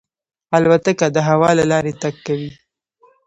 الوتکه د هوا له لارې تګ کوي.